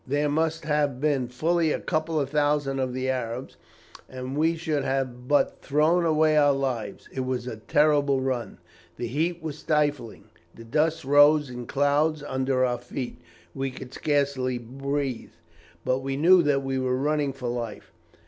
There must have been fully a couple of thousand of the Arabs, and we should have but thrown away our lives. It was a terrible run. The heat was stifling; the dust rose in clouds under our feet. We could scarce breathe, but we knew that we were running for life.